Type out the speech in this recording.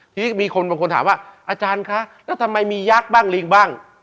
ทีนี้มีคนบางคนถามว่าอาจารย์คะแล้วทำไมมียักษ์บ้างลิงบ้าง